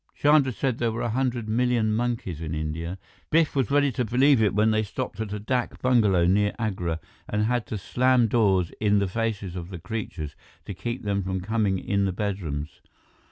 Chandra said there were a hundred million monkeys in India. Biff was ready to believe it when they stopped at a dak bungalow near Agra and had to slam doors in the faces of the creatures to keep them from coming in the bedrooms.